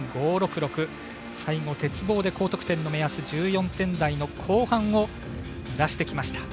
最後、鉄棒で高得点の目安１４点台の後半を出してきました。